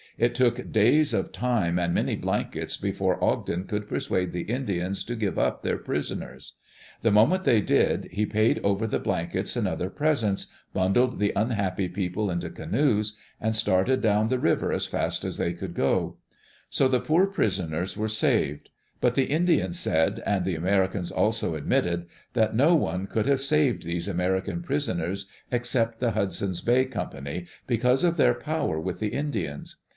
It took days of time and many blankets before Ogden could persuade the Indians to give up their prisoners. The moment they did, he paid over the blankets and other presents, bundled the unhappy [1251 ^, Digitized by VjOOQ IC EARLY DAYS IN OLD OREGON people into canoes, and started down the river as fast as they could go. So the poor prisoners were saved. But the Indians said, and the Americans also admitted, that no one could have saved these American prisoners except the Hudson's Bay Company, because of their power with the Indians.